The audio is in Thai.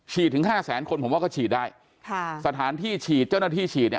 ถึงห้าแสนคนผมว่าก็ฉีดได้ค่ะสถานที่ฉีดเจ้าหน้าที่ฉีดเนี่ย